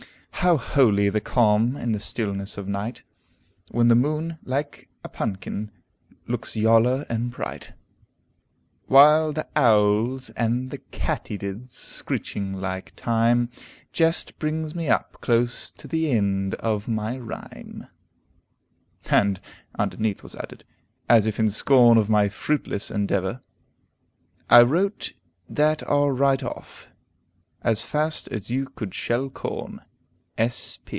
"How holy the calm, in the stillness of night, When the moon, like a punkin, looks yaller and bright; While the aowls an' the katydids, screeching like time, Jest brings me up close to the eend o' my rhyme." And underneath was added, as if in scorn of my fruitless endeavor: "I wrote that are right off, as fast as you could shell corn.